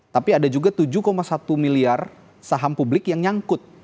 tapi ada juga tujuh satu miliar saham publik yang nyangkut